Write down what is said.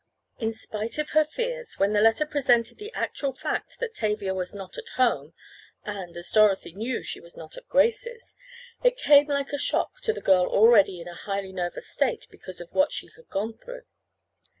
In spite of her fears, when the letter presented the actual fact that Tavia was not at home, and, as Dorothy knew she was not at Grace's, it came like a shock to the girl already in a highly nervous state because of what she had gone through.